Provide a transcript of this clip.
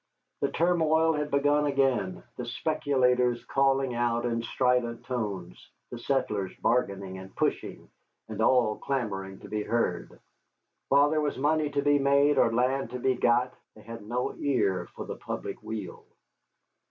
The turmoil had begun again, the speculators calling out in strident tones, the settlers bargaining and pushing, and all clamoring to be heard. While there was money to be made or land to be got they had no ear for the public weal.